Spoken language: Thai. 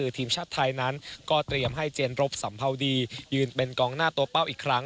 ทีมชาติไทยนั้นก็เตรียมให้เจนรบสัมภาวดียืนเป็นกองหน้าตัวเป้าอีกครั้ง